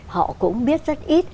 họ cũng biết rất ít